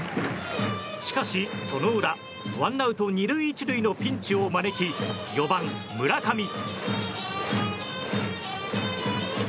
しかし、その裏ワンアウト、２塁１塁のピンチを招き４番、村上。